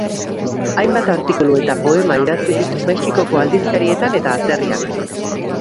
Hainbat artikulu eta poema idatzi ditu Mexikoko aldizkarietan eta atzerrian.